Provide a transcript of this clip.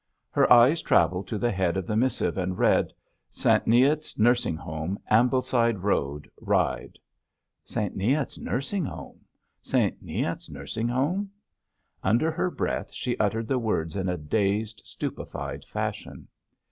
Her eyes travelled to the head of the missive and read: "St. Neot's Nursing Home, Ambleside Road, Ryde." "St. Neot's Nursing Home—St. Neot's Nursing Home." Under her breath she uttered the words in a dazed, stupefied fashion.